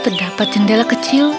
terdapat jendela kecil